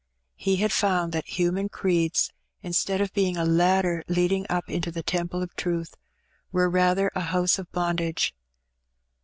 He had found that human creeds, instead of being a ladder leading up into the temple of truth, were rather a house of bondage.